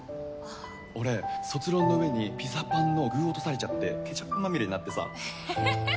俺卒論の上にピザパンの具落とされちゃってケチャップまみれになってさ。